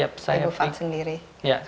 bu fat sendiri